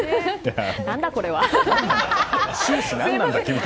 何だ、これは。